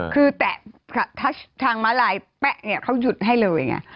คือแทะทักทักทางมาลายแปะเนี่ยเขาหยุดให้เลยไง